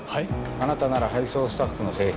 あなたなら配送スタッフの制服